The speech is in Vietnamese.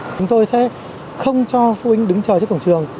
chúng tôi sẽ không cho phụ huynh đứng chờ trước cổng trường